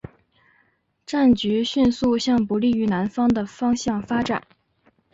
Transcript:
战局迅速向不利于南方的方向发展。